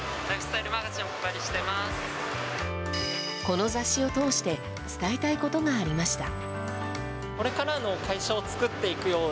この雑誌を通して伝えたいことがありました。